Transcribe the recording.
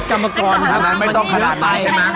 อันนั้นกรรมทำมานี่